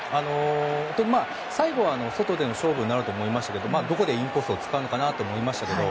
最後は外での勝負になると思いましたけどどこでインコースを使うのかなと思いましたけど。